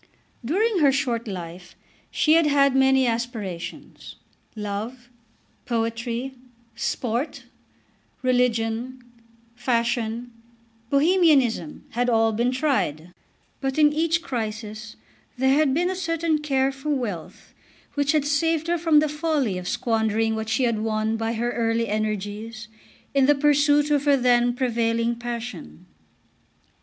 During her short life she had had many aspirations. Love, poetry, sport, religion, fashion, Bohemianism had all been tried; but in each crisis there had been a certain care for wealth which had saved her from the folly of squandering what she had won by her early energies in the pursuit of her then prevailing passion.